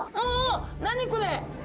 あ何これ！？